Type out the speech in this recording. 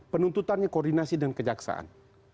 penuntutannya koordinasi dan kejaksaan